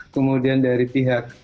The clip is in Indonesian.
kemudian dari pihak